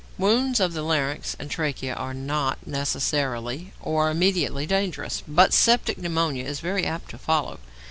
Wounds of the larynx and trachea are not necessarily or immediately dangerous, but septic pneumonia is very apt to follow.